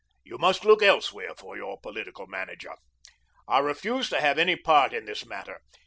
You must look elsewhere for your political manager. I refuse to have any part in this matter.